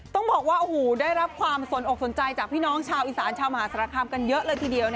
ต้องบอกว่าได้รับความสนอกสนใจจากพี่น้องชาวอีสานชาวมหาสารคามกันเยอะเลยทีเดียว